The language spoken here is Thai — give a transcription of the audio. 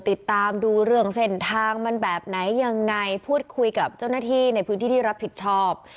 ติดตามดูเรื่องเส้นทางมันแบบไหนยังไงพูดคุยกับเจ้าหน้าที่ในพื้นที่ที่รับผิดชอบ